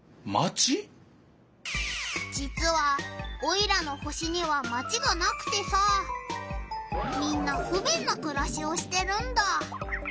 じつはオイラの星にはマチがなくてさみんなふべんなくらしをしてるんだ。